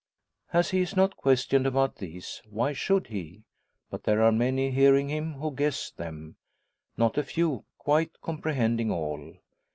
As he is not questioned about these, why should he? But there are many hearing him who guess them not a few quite comprehending all.